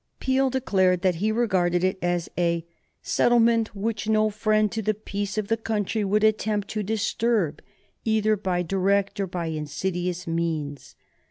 Peel declared that he regarded it as "a settlement which no friend to the peace of the country would attempt to disturb, either by direct or by insidious means."